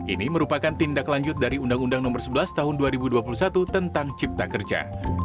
ini merupakan tindak lanjut dari undang undang nomor sebelas tahun dua ribu dua puluh satu tentang cipta kerja